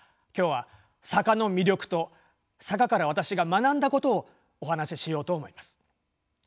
今日は坂の魅力と坂から私が学んだことをお話ししようと思います。